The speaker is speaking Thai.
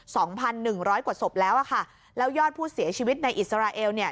สองพันหนึ่งร้อยกว่าศพแล้วอ่ะค่ะแล้วยอดผู้เสียชีวิตในอิสราเอลเนี่ย